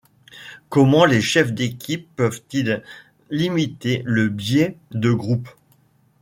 Comment les chefs d'équipe peuvent-ils limiter le biais de groupe?